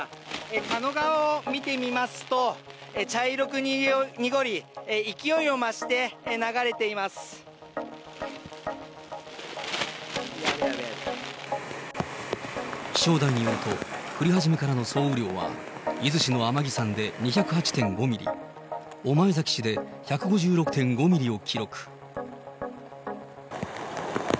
狩野川を見てみますと、茶色く濁り、気象台によると、降り始めからの総雨量は伊豆市の天城山で２０８．５ミリ、御前崎市で１５６．５ミリを記録。